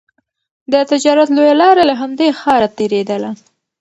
د تجارت لویه لاره له همدې ښاره تېرېدله.